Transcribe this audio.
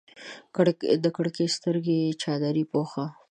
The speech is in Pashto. د کړکۍ سترګې چادرې پوښه